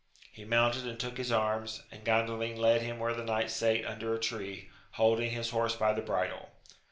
He mounted and took his arms, and Gandalin led him where the knight sate under a tree, holding his horse by the bridle.